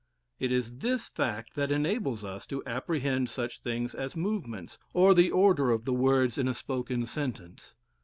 It is this fact that enables us to apprehend such things as movements, or the order of the words in a spoken sentence.